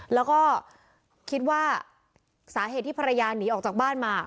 แล้วก็คิดว่าสาเหตุที่ภรรยาหนีออกจากบ้านมา